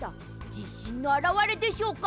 じしんのあらわれでしょうか！？